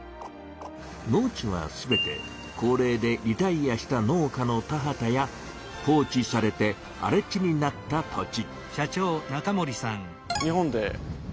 農地は全て高齢でリタイアした農家の田畑や放置されてあれ地になった土地。